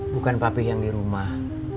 bukan papi yang di rumah